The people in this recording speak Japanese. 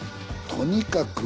とにかく。